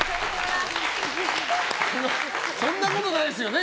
そんなことないですよね